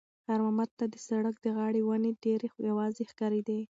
خیر محمد ته د سړک د غاړې ونې ډېرې یوازې ښکارېدې.